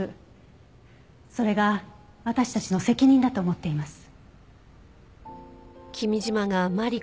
それが私たちの責任だと思っています。